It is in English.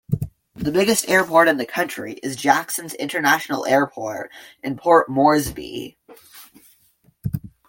The biggest airport in the country is Jacksons International Airport in Port Moresby.